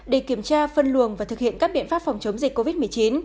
để kiểm tra phân luồng và thực hiện các biện pháp phòng chống dịch covid một mươi chín